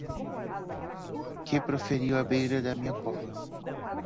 que proferiu à beira de minha cova